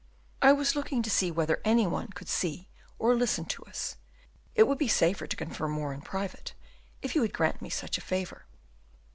"I was looking to see whether any one could see or listen to us; it would be safer to confer more in private, if you would grant me such a favor."